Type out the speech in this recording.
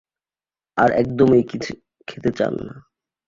আর একদমই কিছু খেতে চান না।